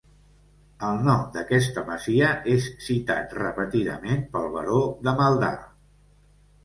El nom d'aquesta masia és citat repetidament pel Baró de Maldà.